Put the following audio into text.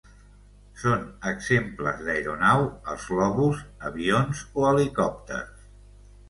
Són exemples d'aeronau els globus, avions o helicòpters.